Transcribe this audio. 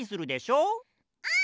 うん！